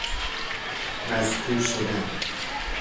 مذکور شدن